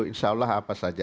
insya allah apa saja